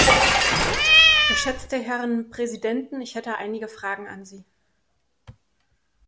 Geschätzte Herren Präsidenten, ich hätte einige Fragen an Sie.